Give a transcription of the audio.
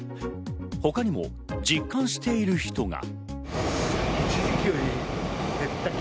他にも実感している人が。